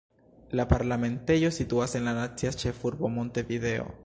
La parlamentejo situas en la nacia ĉefurbo Montevideo.